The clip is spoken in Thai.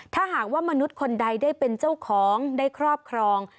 ถ้าหากว่ามนุษย์คนใดได้เป็นเจ้าของได้ครอบครอง